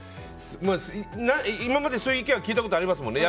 今まで、そういう意見は聞いたことありますもんね。